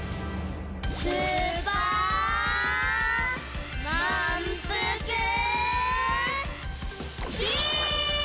スーパーまんぷくビーム！